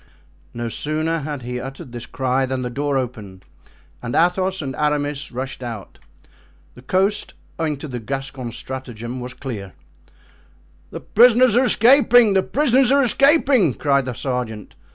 No sooner had he uttered this cry than the door opened and Athos and Aramis rushed out. The coast, owing to the Gascon's stratagem, was clear. "The prisoners are escaping! the prisoners are escaping!" cried the sergeant.